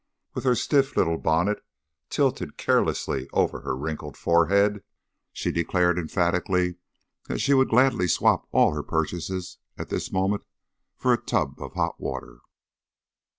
With her stiff little bonnet tilted carelessly over her wrinkled forehead, she declared emphatically that she would gladly swap all her purchases at this moment for a tub of hot water.